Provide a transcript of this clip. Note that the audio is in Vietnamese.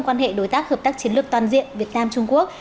quan hệ đối tác hợp tác chiến lược toàn diện việt nam trung quốc